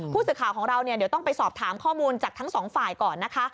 ผู้สื่อข่าวของเราเนี่ยเดี๋ยวต้องไปสอบถามข้อมูลจากทั้งสองฝ่ายก่อนนะคะ